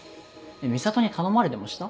美里に頼まれでもした？